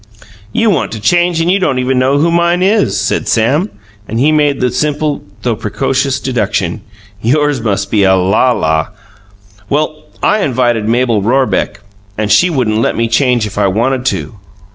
"You want to change and you don't even know who mine is!" said Sam, and he made the simple though precocious deduction: "Yours must be a lala! Well, I invited Mabel Rorebeck, and she wouldn't let me change if I wanted to.